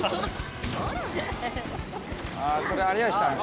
それ有吉さん。